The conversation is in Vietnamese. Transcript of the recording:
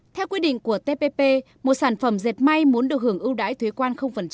theo quy định của tpp một sản phẩm dệt may muốn được hưởng ưu đãi thuế quan